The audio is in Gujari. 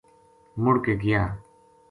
مڑ کے گیا